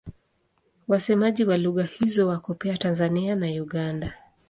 Wasemaji wa lugha hizo wako pia Tanzania na Uganda.